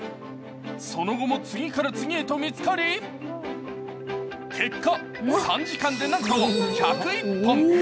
その後も次から次へと見つかり、結果、３時間でなんと１０１本。